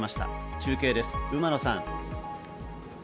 中継です、馬野さん。